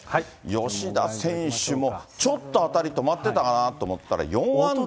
吉田選手も、ちょっと当たり止まってたかなと思ったら４安打、打って。